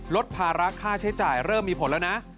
ลดภาระค่าใช้จ่ายเริ่มมีผลแล้วนะ